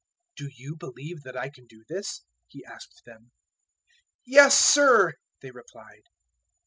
"Do you believe that I can do this?" He asked them. "Yes, Sir," they replied.